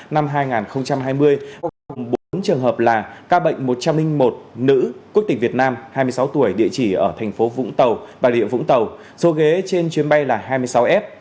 năm hai nghìn hai mươi có bốn trường hợp là ca bệnh một trăm linh một nữ quốc tịch việt nam hai mươi sáu tuổi địa chỉ ở thành phố vũng tàu bà địa vũng tàu số ghế trên chuyến bay là hai mươi sáu f